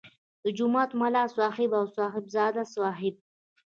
د جومات ملا صاحب او صاحبزاده صاحب.